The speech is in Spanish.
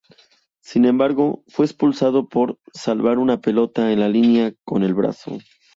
Sin embargo, fue expulsado por salvar una pelota en la línea con el brazo.